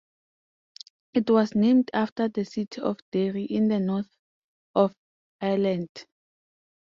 It was named after the city of Derry in the North of Ireland.